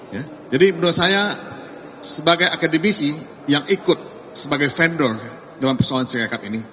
ya jadi menurut saya sebagai akademisi yang ikut sebagai vendor dalam persoalan singkat ini